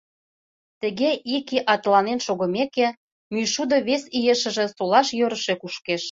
Тыге ик ий атыланен шогымеке, мӱйшудо вес иешыже солаш йӧрышӧ кушкеш.